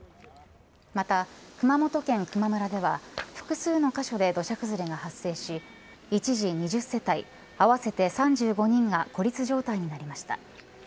また、熊本県球磨村では複数の箇所で土砂崩れが発生し一時、２０世帯合わせて３５人が孤立状態になりました。